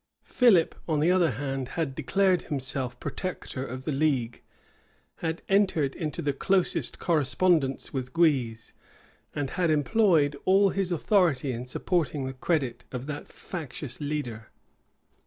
Philip, on the other hand, had declared himself protector of the league; had entered into the closest correspondence with Guise; and had employed all his authority in supporting the credit of that factious leader.